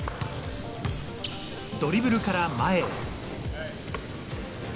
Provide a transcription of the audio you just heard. ドリブルから前へ。